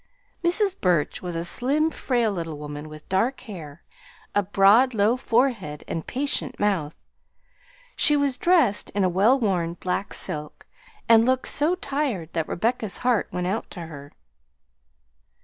Mrs. Burch was a slim, frail little woman with dark hair, a broad low forehead, and patient mouth. She was dressed in a well worn black silk, and looked so tired that Rebecca's heart went out to her.